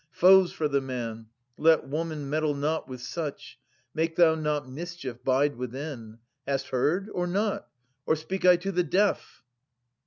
Foes for the man : let woman meddle not 200 With such : make thou not mischief, bide within. Hast heard, or not ?— or speak I to the deaf?